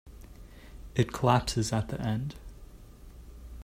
It collapses at the end.